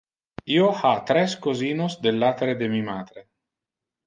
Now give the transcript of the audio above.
Io ha tres cosinos del latere de mi matre.